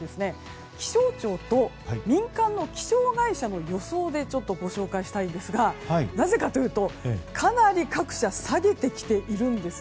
気温を気象庁と民間の気象会社の予想でちょっとご紹介したいんですがなぜかというとかなり各社下げてきているんですね。